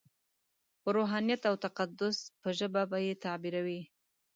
په روحانیت او تقدس په ژبه به یې تعبیروي.